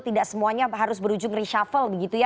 tidak semuanya harus berujung reshuffle